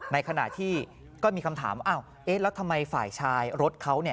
ในขณะที่ก็มีคำถามแล้วทำไมฝ่ายชายรถเขา